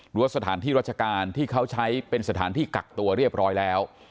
หรือว่าสถานที่ราชการที่เขาใช้เป็นสถานที่กักตัวเรียบร้อยแล้ว